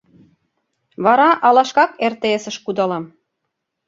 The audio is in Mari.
Вара ала шкак РТС-ыш кудалам.